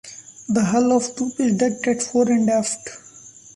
The hull of toop is decked at fore and aft.